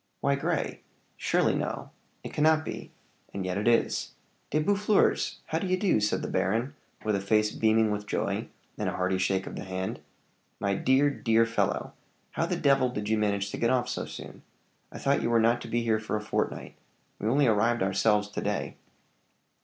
"Why, Grey! surely no it cannot be and yet it is. De Boeffleurs, how d'ye do?" said the baron, with a face beaming with joy, and a hearty shake of the hand. "My dear, dear fellow, how the devil did you manage to get off so soon? I thought you were not to be here for a fortnight: we only arrived ourselves to day."